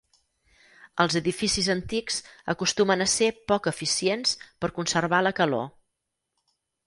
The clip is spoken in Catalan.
Els edificis antics acostumen a ser poc eficients per conservar la calor.